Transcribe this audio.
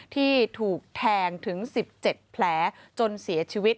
ที่ถูกแทงถึง๑๗แผลจนเสียชีวิต